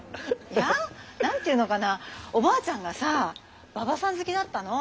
いや何て言うのかなおばあちゃんがさ馬場さん好きだったの。